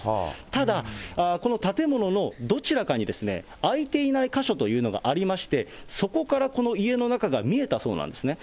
ただ、この建物のどちらかに、開いていない箇所というのがありまして、そこからこの家の中が見えたそうなんですね。